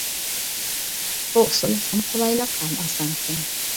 بۇ ئۇسۇل ھەم قولايلىق ھەم ئاسانكەن.